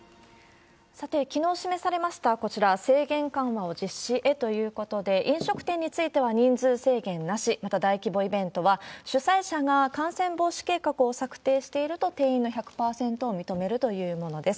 さて、きのう示されましたこちら、制限緩和を実施へということで、飲食店については人数制限なし、また大規模イベントは、主催者が感染防止計画を策定していると定員の１００％を認めるというものです。